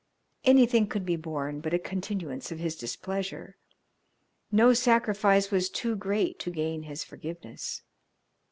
Anything could be borne but a continuance of his displeasure. No sacrifice was too great to gain his forgiveness.